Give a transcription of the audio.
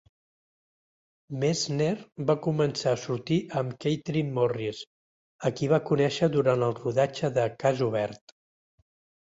Messner va començar a sortir amb Kathryn Morris, a qui va conèixer durant el rodatge de "Cas obert".